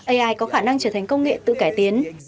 ai có khả năng trở thành công nghệ tự cải tiến